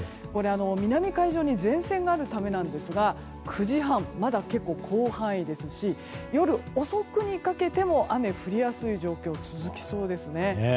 南海上に前線があるためなんですが９時半、まだ結構広範囲ですし夜遅くにかけても雨が降りやすい状況が続きそうですね。